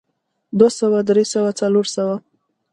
دوه سوه درې سوه څلور سوه